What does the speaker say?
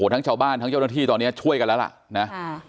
ทั้งชาวบ้านทั้งเจ้าหน้าที่ตอนนี้ช่วยกันแล้วล่ะนะ